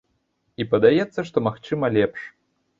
І падаецца, што магчыма лепш.